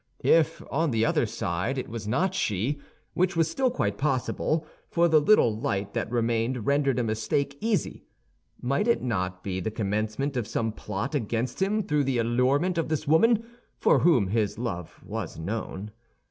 If, on the other side, it was not she—which was still quite possible—for the little light that remained rendered a mistake easy—might it not be the commencement of some plot against him through the allurement of this woman, for whom his love was known?